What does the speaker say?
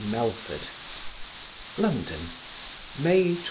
MELFORD LONDON, May 24.